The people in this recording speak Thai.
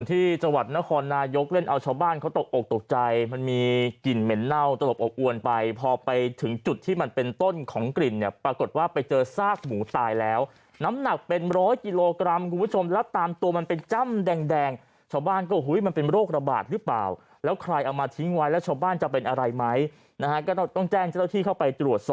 ที่จังหวัดนครนายกเล่นเอาชาวบ้านเขาตกอกตกใจมันมีกลิ่นเหม็นเน่าตลบอบอวนไปพอไปถึงจุดที่มันเป็นต้นของกลิ่นเนี่ยปรากฏว่าไปเจอซากหมูตายแล้วน้ำหนักเป็นร้อยกิโลกรัมคุณผู้ชมแล้วตามตัวมันเป็นจ้ำแดงชาวบ้านก็หุ้ยมันเป็นโรคระบาดหรือเปล่าแล้วใครเอามาทิ้งไว้แล้วชาวบ้านจะเป็นอะไรไหมนะฮะก็ต้องต้องแจ้งเจ้าที่เข้าไปตรวจส